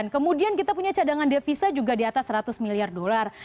kemudian kita punya cadangan devisa juga di atas seratus miliar dolar